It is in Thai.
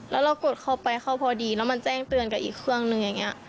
แล้วเรากดเข้าไปเขาพอดีแล้วมันแจ้งเตือนกับอีกเครื่องนึงอย่างนี้